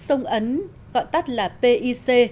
sông ấn gọi tắt là pic